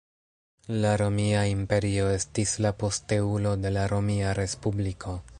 La romia imperio estis la posteulo de la Romia Respubliko.